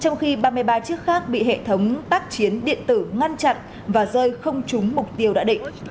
trong khi ba mươi ba chiếc khác bị hệ thống tác chiến điện tử ngăn chặn và rơi không trúng mục tiêu đã định